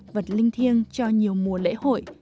vật linh thiêng cho nhiều mùa lễ hội